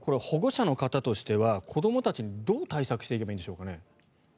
保護者の方としては子どもはどう対策していけばいいんでしょうかね？